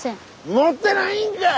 持ってないんかい！